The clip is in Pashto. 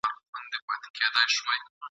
یوه ورځ یې وو مېړه ستړی راغلی !.